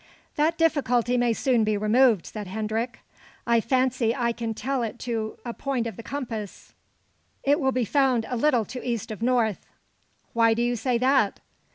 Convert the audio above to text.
"That difficulty may soon be removed," said Hendrik. "I fancy I can tell it to a point of the compass. It will be found a little to east of north." "Why do you say that?"